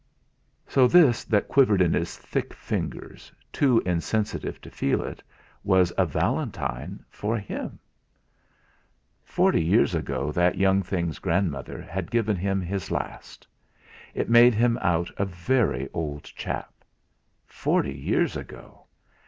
So this that quivered in his thick fingers, too insensitive to feel it, was a valentine for him! Forty years ago that young thing's grandmother had given him his last. It made him out a very old chap! Forty years ago!